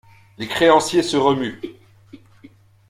Les créanciers se remuent.